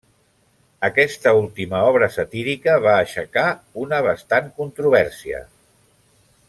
Aquesta última obra satírica va aixecar una bastant controvèrsia.